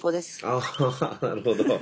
ああなるほど。